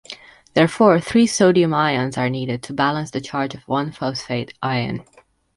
Therefore, three sodium ions are needed to balance the charge of one phosphate ion.